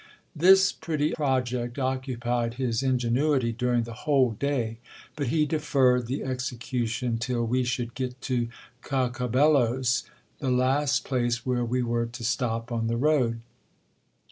This pretty project occupied his ingenuity during the whole day ; but he deferred the execution till we should get to Cacabelos, the last place where we were to stop on the road.